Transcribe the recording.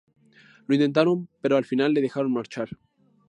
Lo intentaron, pero al final le dejaron marchar.